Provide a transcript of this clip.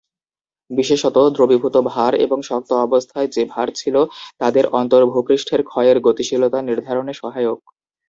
বিশেষত, দ্রবীভূত ভার এবং শক্ত অবস্থায় যে ভার ছিল তাদের অন্তর ভূপৃষ্ঠের ক্ষয়ের গতিশীলতা নির্ধারণে সহায়ক।